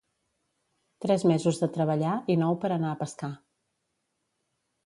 Tres mesos de treballar i nou per anar a pescar.